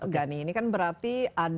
gani ini kan berarti